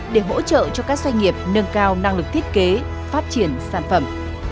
để hỗ trợ cho các doanh nghiệp nâng cao năng lực thiết kế phát triển sản phẩm